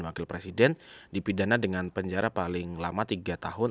wakil presiden dipidana dengan penjara paling lama tiga tahun